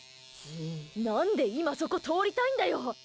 何で今、そこ通りたいんだよ。